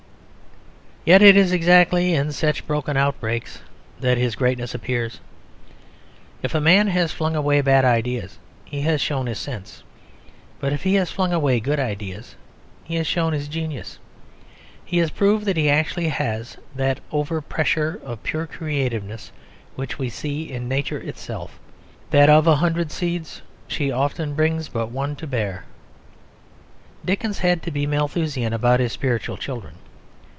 Yet it is exactly in such broken outbreaks that his greatness appears. If a man has flung away bad ideas he has shown his sense, but if he has flung away good ideas he has shown his genius. He has proved that he actually has that over pressure of pure creativeness which we see in nature itself, "that of a hundred seeds, she often brings but one to bear." Dickens had to be Malthusian about his spiritual children.